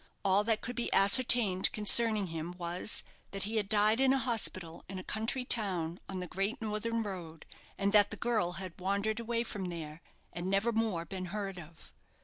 All that could be ascertained concerning him was, that he had died in a hospital, in a country town on the great northern road, and that the girl had wandered away from there, and never more been heard of.